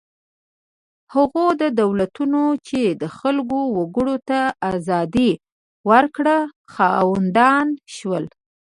هغو دولتونو چې خپلو وګړو ته ازادي ورکړه خاوندان شول.